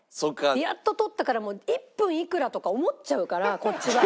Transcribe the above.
やっと取ったから１分いくらとか思っちゃうからこっちは。